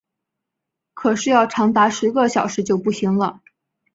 可是要长达十小时就不行了